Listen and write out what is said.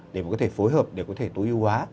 để mà có thể phối hợp để có thể tối ưu hóa